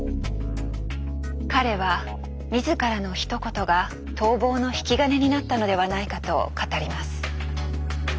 彼は自らのひと言が逃亡の引き金になったのではないかと語ります。